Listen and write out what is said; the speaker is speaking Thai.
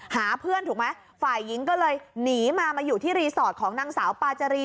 หาเพื่อนถูกไหมฝ่ายหญิงก็เลยหนีมามาอยู่ที่รีสอร์ทของนางสาวปาจารี